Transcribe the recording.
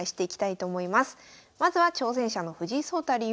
まずは挑戦者の藤井聡太竜王。